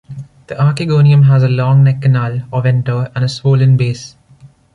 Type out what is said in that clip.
The archegonium has a long neck canal or venter and a swollen base.